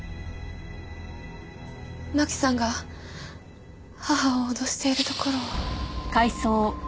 真輝さんが母を脅しているところを。